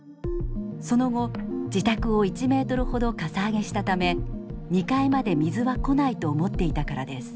その後自宅を１ｍほどかさ上げしたため２階まで水は来ないと思っていたからです。